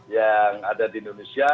yang ada di indonesia